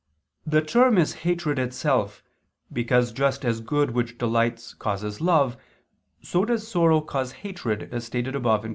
_ The term is hatred itself, because just as good which delights causes love, so does sorrow cause hatred, as stated above (Q.